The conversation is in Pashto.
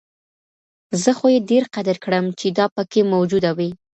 زه خو يې ډېر قدر كړم چي دا پكــــي مــوجـــوده وي